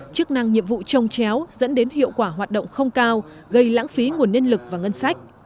chức năng nhiệm vụ trông chéo dẫn đến hiệu quả hoạt động không cao gây lãng phí nguồn nhân lực và ngân sách